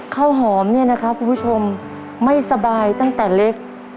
ข้าวหอมเนี่ยนะครับคุณผู้ชมไม่สบายตั้งแต่เล็ก